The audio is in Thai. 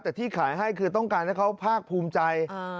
แต่ที่ขายให้คือต้องการให้เขาภาคภูมิใจ